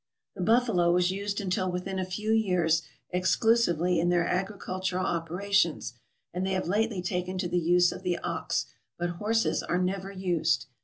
The buffalo was used until within a few years exclusively in their agricultural operations, and they have lately taken to the use of the ox ; but horses are never used.